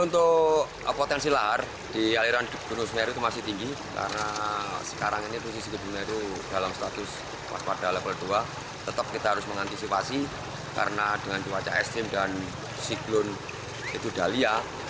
tetap kita harus mengantisipasi karena dengan cuaca ekstrim dan siklon itu dah liat